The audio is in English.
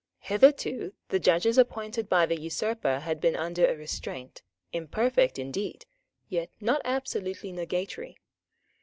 Hitherto the judges appointed by the usurper had been under a restraint, imperfect indeed, yet not absolutely nugatory.